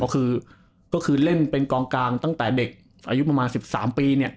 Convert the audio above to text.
ก็คือเล่นเป็นกองกลางตั้งแต่เด็กอายุประมาณ๑๓ปี